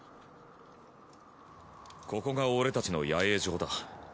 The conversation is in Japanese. ここが俺たちの野営場だ。